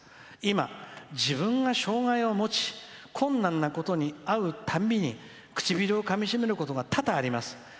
今、自分が障害を持ち困難なことにあうたんびに唇をかみしめることが多々あります。